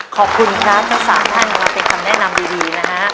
ขอบคุณค่ะเจ้าสามท่านครับเป็นคำแนะนำดีนะฮะ